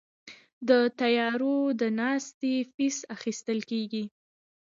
د طیارو د ناستې فیس اخیستل کیږي؟